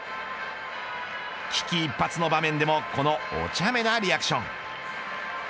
危機一髪の場面でもこのお茶目なリアクション。